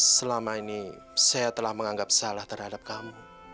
selama ini saya telah menganggap salah terhadap kamu